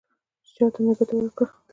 چې چا ته مې ګوته ورکړه،